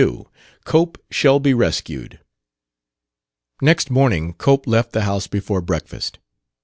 22 COPE SHALL BE RESCUED Next morning Cope left the house before breakfast.